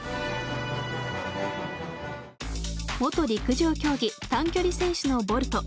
元陸上競技短距離選手のボルト。